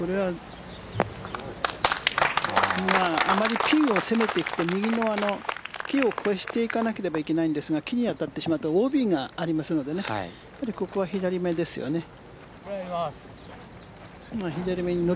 あまりピンを攻めていくと右の木を越していかなければいけないんですが木に当たってしまうとＯＢがありますのでここは左目ですよね。